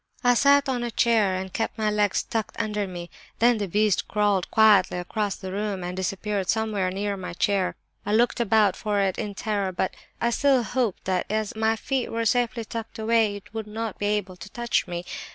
I sat on a chair and kept my legs tucked under me. Then the beast crawled quietly across the room and disappeared somewhere near my chair. I looked about for it in terror, but I still hoped that as my feet were safely tucked away it would not be able to touch me.